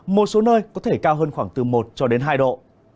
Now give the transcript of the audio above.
một số nơi có thể cao hơn khoảng từ một hai độ